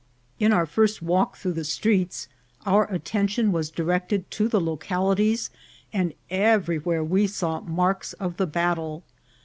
In our first walk through 116 INCIDENTS OF TRAVEL. the streets our attention was directed to the localities, and everywhere we saw marks of the battle.